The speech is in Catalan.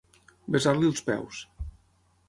Besar-li els peus.